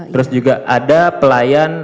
terus juga ada pelayan